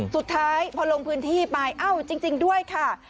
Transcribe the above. สุดท้ายพอลงพื้นที่ไปเอ้าจริงด้วยค่ะ